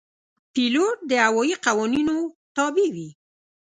پیلوټ د هوايي قوانینو تابع وي.